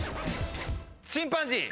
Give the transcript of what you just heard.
チンパンジー。